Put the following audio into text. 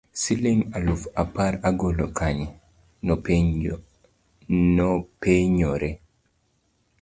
siling' aluf apar agol kanye? nopenyore